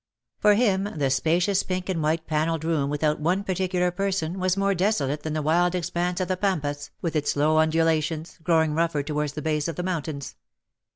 For him the spacious pink and white panelled room without one particular person was more desolate than the wild expanse of the Pampas^ with its low undulations^ growing rougher towards the base of the mountains.